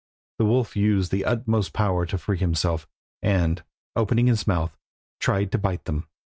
The wolf used his utmost power to free himself, and, opening his mouth, tried to bite them.